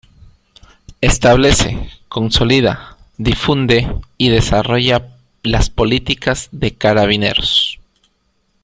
Establece, consolida, difunde y desarrolla las políticas de Carabineros.